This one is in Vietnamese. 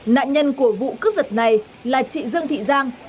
nạn nhân của vụ cướp giật này là chị dương thị giang